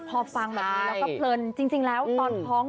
พอฟังเราก็ปลื้อง